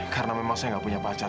karena memang saya gak punya pacar